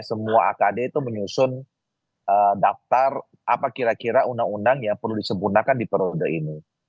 semua akd itu menyusun daftar apa kira kira undang undang yang perlu disempurnakan di periode ini